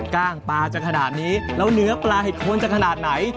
กล้างปลาจะขนาดนี้แล้วเนื้อปลาเห็ดโคนจะขนาดไหน